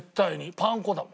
パン粉だもん。